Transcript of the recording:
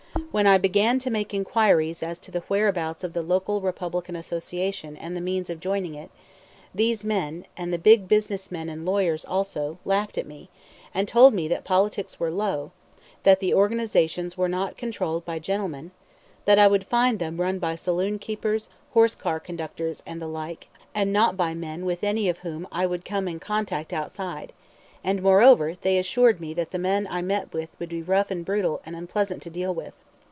When I began to make inquiries as to the whereabouts of the local Republican Association and the means of joining it, these men and the big business men and lawyers also laughed at me, and told me that politics were "low"; that the organizations were not controlled by "gentlemen"; that I would find them run by saloon keepers, horse car conductors, and the like, and not by men with any of whom I would come in contact outside; and, moreover, they assured me that the men I met would be rough and brutal and unpleasant to deal with.